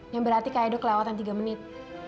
yang berarti kayak edo kelewatan tiga menit